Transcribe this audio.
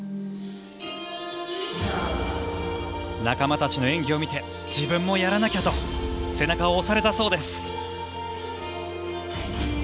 仲間たちの演技を見て自分もやらなきゃと背中を押されたそうです。